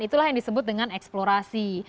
itulah yang disebut dengan eksplorasi